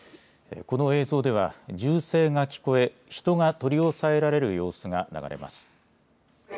この映像では銃声が聞こえ人が取り押さえられる様子が流れます。